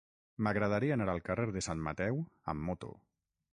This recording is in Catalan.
M'agradaria anar al carrer de Sant Mateu amb moto.